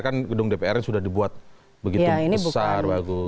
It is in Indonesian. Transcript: kan gedung dpr sudah dibuat begitu besar bagus